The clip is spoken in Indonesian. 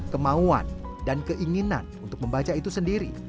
kemauan dan keinginan untuk membaca itu sendiri